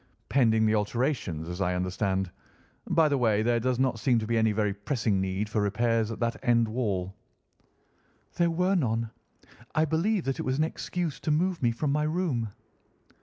"Pending the alterations, as I understand. By the way, there does not seem to be any very pressing need for repairs at that end wall." "There were none. I believe that it was an excuse to move me from my room."